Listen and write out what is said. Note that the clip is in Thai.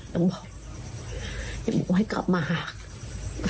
ต้องบอกให้กลับมาหา